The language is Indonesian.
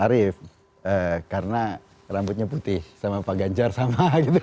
arief karena rambutnya putih sama pak ganjar sama gitu